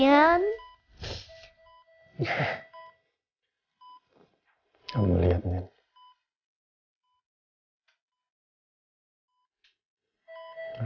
reina sekarang udah jadi anak yang pintar